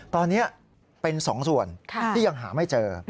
ตอนนี้เป็น๒ส่วนที่ยังหาไม่เจอ